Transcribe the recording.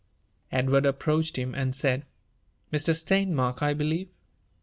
Edward approached him, and said —'' Mr. Steinmark, I believe